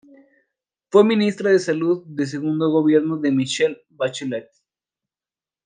Fue ministra de Salud del segundo gobierno de Michelle Bachelet.